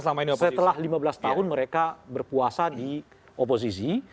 setelah lima belas tahun mereka berpuasa di oposisi